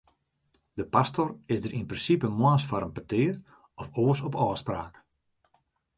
De pastor is der yn prinsipe moarns foar in petear, of oars op ôfspraak.